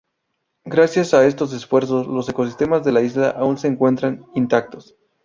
Gracias a estos esfuerzos los ecosistemas de la isla aún se encuentran intactos.